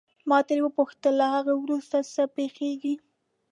ما ترې وپوښتل له هغه وروسته څه پېښیږي.